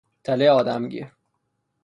تله آدمگیر